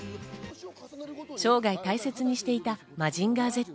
生涯大切にしていた『マジンガーＺ』。